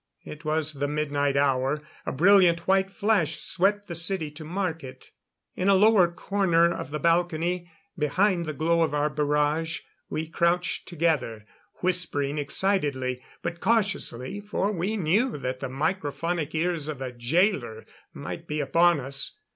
It was the midnight hour; a brilliant white flash swept the city to mark it. In a low corner of the balcony, behind the glow of our barrage, we crouched together, whispering excitedly. But cautiously, for we knew that the microphonic ears of a jailor might be upon us.